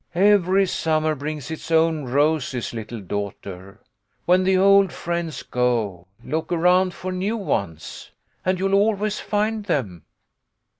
" Every summer brings its own roses, little daughter. When the old friends go, look around for new ones, and you'll always find them."